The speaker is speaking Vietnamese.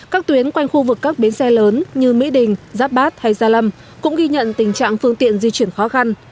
các tuyến quanh khu vực các bến xe lớn như mỹ đình giáp bát hay gia lâm cũng ghi nhận tình trạng phương tiện di chuyển khó khăn